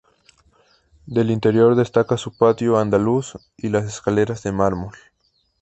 Del interior destaca su patio andaluz y las escaleras de mármol.